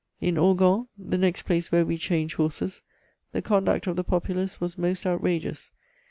In Orgon, the next place where we changed horses, the conduct of the populace was most outrageous.